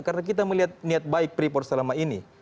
karena kita melihat niat baik peripor selama ini